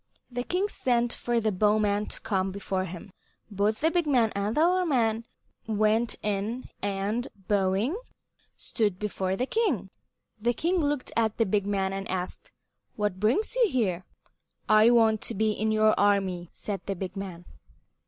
The king sent for the bowman to come before him. Both the big man and the little man went in and, bowing, stood before the king. The king looked at the big man and asked, "What brings you here?" "I want to be in your army," said the big man.